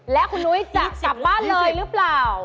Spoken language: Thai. และคุณนุ้ยจะกลับบ้านเลยหรือเปล่า